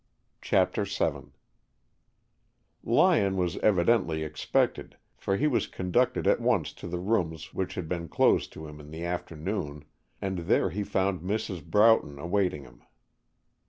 CHAPTER VII Lyon was evidently expected, for he was conducted at once to the rooms which had been closed to him in the afternoon, and there he found Mrs. Broughton awaiting him.